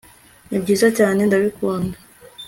nibyiza cyane ndabikunda